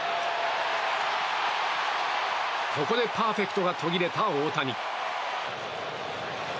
ここでパーフェクトが途切れた大谷。